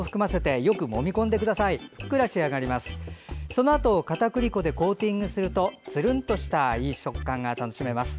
そのあと、かたくり粉でコーティングするとつるんとしたいい食感が楽しめます。